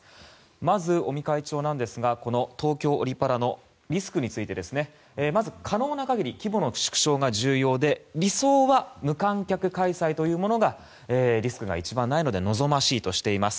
まず尾身会長ですが東京オリパラのリスクについてまず可能な限り規模の縮小が重要で理想は、無観客開催というものがリスクが一番ないので望ましいとしています。